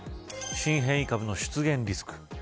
新変異株の出現リスク。